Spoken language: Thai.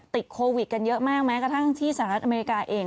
ติดโควิดกันเยอะมากแม้กระทั่งที่สหรัฐอเมริกาเอง